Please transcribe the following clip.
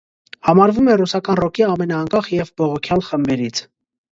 Համարվում է ռուսական ռոքի ամենաանկախ և բողոքյալ խմբերից։